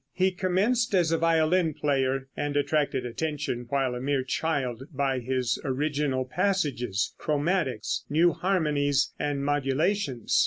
He commenced as a violin player, and attracted attention while a mere child by his original passages, chromatics, new harmonies and modulations.